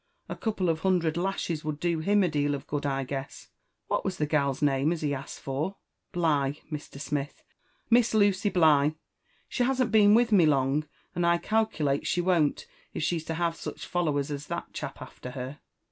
A couple of hundred lashes would do him a deal of good, I guess. What was the gal's name as he asked for?" <*Bligh, Mr. Smith; Miss Lucy Bligh. She hasn't beea with me long, and I calculate she won't, if she's to have such followers as that chap after her.